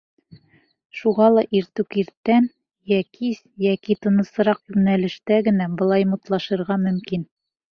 Шуға ла иртүк иртән йә кис йәки тынысыраҡ йүнәлештә генә былай мутлашырға мөмкин.